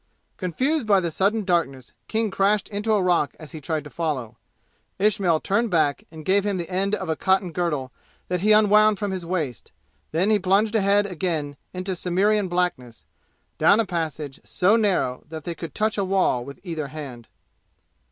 Confused by the sudden darkness King crashed into a rock as he tried to follow. Ismail turned back and gave him the end of a cotton girdle that he unwound from his waist; then he plunged ahead again into Cimmerian blackness, down a passage so narrow that they could touch a wall with either hand.